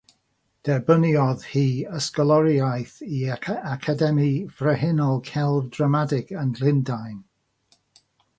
Derbyniodd hi ysgoloriaeth i Academi Frenhinol Celf Ddramatig yn Llundain.